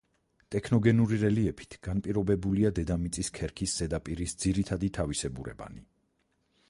ტექტოგენური რელიეფით განპირობებულია დედამიწის ქერქის ზედაპირის ძირითადი თავისებურებანი.